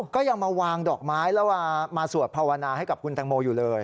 ก็ยังมาวางดอกไม้แล้วมาสวดภาวนาให้กับคุณแตงโมอยู่เลย